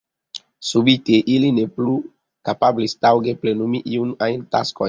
Subite, ili ne plu kapablis taŭge plenumi iun ajn taskon.